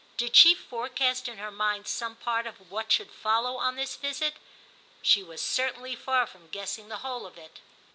Did she forecast in her mind some part of what should follow on this visit ? She was certainly far from guessing the whole of it.